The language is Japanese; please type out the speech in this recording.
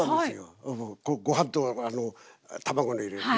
ご飯と卵を入れるね。